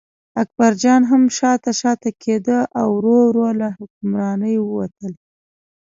اکبرجان هم شاته شاته کېده او ورو ورو له حکمرانۍ ووتل.